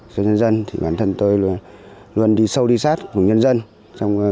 cho nhân dân thì bản thân tôi luôn đi sâu đi sát cùng nhân dân